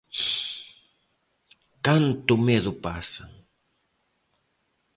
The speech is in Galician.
¿Canto medo pasan?